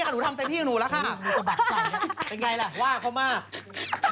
คุณแม่หนูทำเต็มที่ของหนูแล้วค่ะหนูสะบัดใสอัม